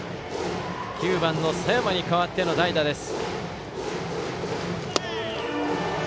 ９番の佐山に代わっての代打です。